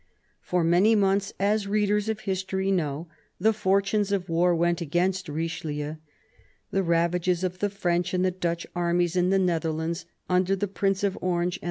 For many months, as readers of history know, the fortune of war went against Richelieu. The ravages of the French and the Dutch armies in the Netherlands, under the Prince of Orange and.